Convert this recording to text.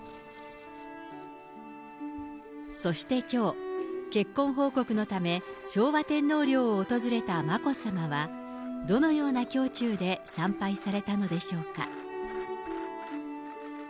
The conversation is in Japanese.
そしてきょう、結婚報告のため、昭和天皇陵を訪れた眞子さまは、どのような胸中で参拝されたのでしょうか。